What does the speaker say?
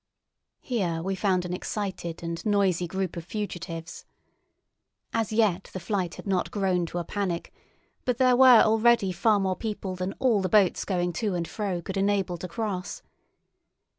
Here we found an excited and noisy crowd of fugitives. As yet the flight had not grown to a panic, but there were already far more people than all the boats going to and fro could enable to cross.